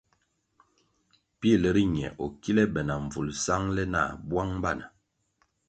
Pil riñe o kile be na mbvulʼ sangʼle nah bwang bana.